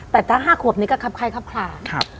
แต่ทั้ง๕ขวบนี้ก็ครับคลายครับ